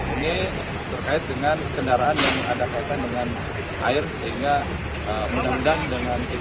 ini terkait dengan kendaraan yang ada kaitan dengan air sehingga mudah mudahan dengan kita